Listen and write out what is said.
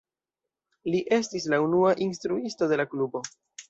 Li estis la unua instruisto de la klubo.